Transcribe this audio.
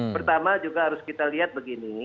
pertama juga harus kita lihat begini